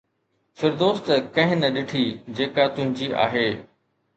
فردوس ته ڪنهن نه ڏٺي جيڪا تنهنجي آهي